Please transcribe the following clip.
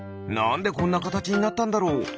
なんでこんなかたちになったんだろう？